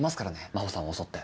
真帆さんを襲って。